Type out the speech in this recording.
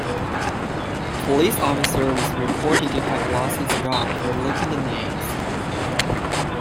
A police officer was reported to have lost his job for leaking the names.